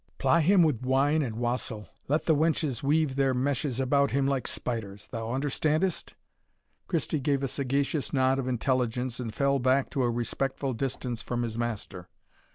Ply him with wine and wassail let the wenches weave their meshes about him like spiders thou understandest?" Christie gave a sagacious nod of intelligence, and fell back to a respectful distance from his master.